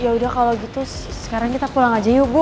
yaudah kalo gitu sekarang kita pulang aja yuk bu